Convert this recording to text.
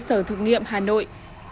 cơ sở thực nghiệm hà nội